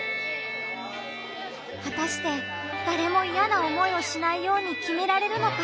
はたして誰もイヤな思いをしないように決められるのか？